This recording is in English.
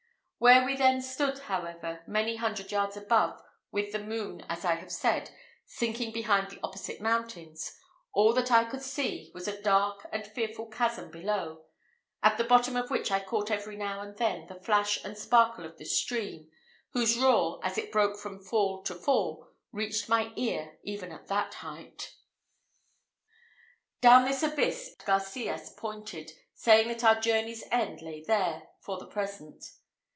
Where we then stood, however, many hundred yards above, with the moon, as I have said, sinking behind the opposite mountains, all that I could see was a dark and fearful chasm below, at the bottom of which I caught every now and then the flash and sparkle of the stream, whose roar, as it broke from fall to fall, reached my ear even at that height. Down this abyss it was that Garcias pointed, saying that our journey's end lay there, for the present.